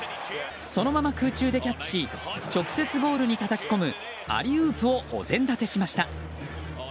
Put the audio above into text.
そのまま空中でキャッチし直接ゴールにたたき込むアリウープをお膳立てしました。